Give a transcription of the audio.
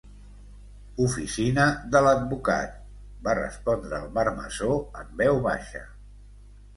"Oficina de l'advocat", va respondre el marmessor en veu baixa.